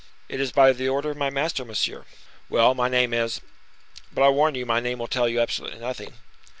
"It is by the order of my master, monsieur." "Well, my name is—but, I warn you, my name will tell you absolutely nothing."